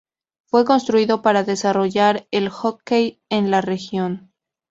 Fue construido para desarrollar el hockey en la región.